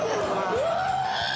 うわ！